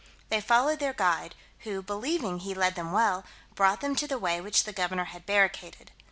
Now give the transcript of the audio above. They followed their guide, who, believing he led them well, brought them to the way which the governor had barricaded.